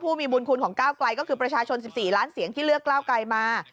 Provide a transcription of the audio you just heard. มีบุญคุณของก้าวไกลก็คือประชาชน๑๔ล้านเสียงที่เลือกก้าวไกลมา